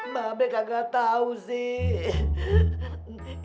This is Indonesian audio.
mabe kagak tau sih